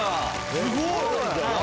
すごい！